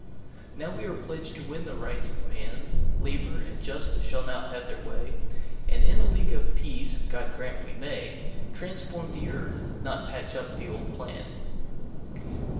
Now are we pledged to win the Rights of man; Labour and Justice now shall have their way, And in a League of Peace—God grant we may—Transform the earth, not patch up the old plan.